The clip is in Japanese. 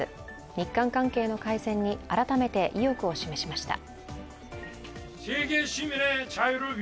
日韓関係の改善に改めて意欲を示しました。